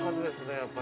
やっぱり。